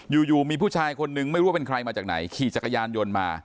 อยู่มีผู้ชายคนนึงไม่รู้ว่าเป็นใครมาจากไหนขี่จักรยานยนต์มา